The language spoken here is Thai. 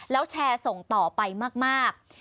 แล้วแชร์ส่งต่อไปมาก